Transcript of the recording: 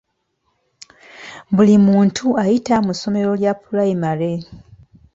Buli muntu ayita mu ssomero lya pulayimale.